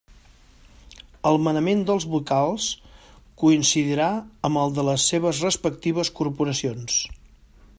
El manament dels vocals coincidirà amb el de les seves respectives Corporacions.